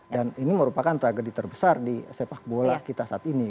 dan ini merupakan tragedi terbesar di sepak bola kita saat ini